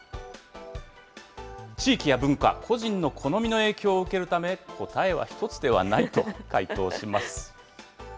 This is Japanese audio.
地域や文化、個人の好みの影響を受けるため、答えは１つではないと回答します。